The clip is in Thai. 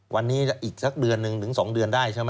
วันนี้อีกสักเดือนหนึ่งถึง๒เดือนได้ใช่ไหม